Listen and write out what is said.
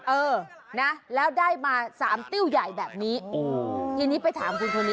เออนะแล้วได้มาสามติ้วใหญ่แบบนี้ทีนี้ไปถามคุณคนนี้